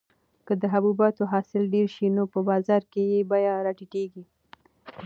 که د حبوباتو حاصل ډېر شي نو په بازار کې یې بیه راټیټیږي.